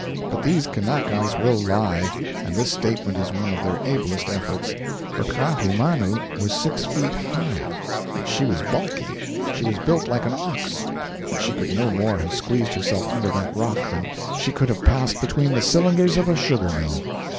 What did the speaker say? But these Kanakas will lie, and this statement is one of their ablest efforts—for Kaahumanu was six feet high—she was bulky—she was built like an ox—and she could no more have squeezed herself under that rock than she could have passed between the cylinders of a sugar mill.